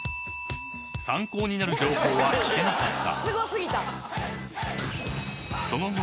［参考になる情報は聞けなかった］